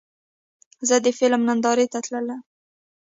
زه د فلم نندارې ته تللی وم.